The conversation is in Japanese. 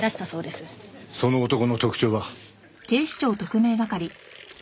その男の特徴は？